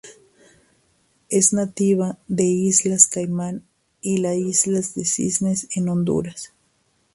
Es nativa de Islas Caimán y las Islas del Cisne en Honduras.